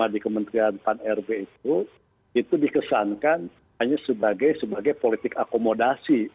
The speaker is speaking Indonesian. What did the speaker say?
di kementerian pan rb itu itu dikesankan hanya sebagai politik akomodasi